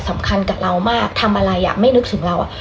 สำคัญกับเรามากทำอะไรอ่ะไม่นึกถึงเรา